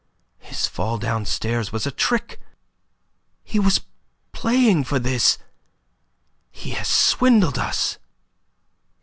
"His fall downstairs was a trick. He was playing for this. He has swindled us."